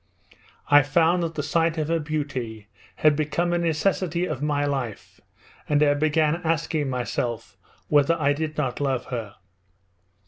I found that the sight of her beauty had become a necessity of my life and I began asking myself whether I did not love her.